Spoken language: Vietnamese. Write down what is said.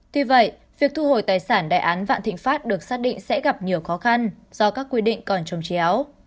tuy vậy việc thu hồi tài sản đại án vạn thịnh pháp được xác định sẽ gặp nhiều khó khăn do các quy định còn trồng chéo